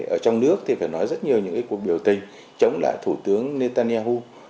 ở trong nước thì phải nói rất nhiều những cuộc biểu tình chống lại thủ tướng netanyahu